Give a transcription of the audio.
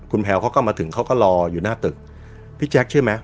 คุณแพลวเขาก็มาถึงเขาก็รออยู่หน้าตึกพี่แจ๊คเชื่อไหม